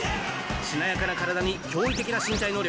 しなやかな体に驚異的な身体能力。